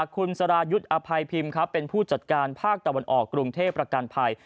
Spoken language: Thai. คุณสรายุทธ์อภัยพิมพ์ครับเป็นผู้จัดการภาคตะวันออกกรุงเทพประกันภัย